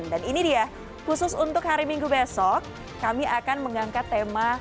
dan ini dia khusus untuk hari minggu besok kami akan mengangkat tema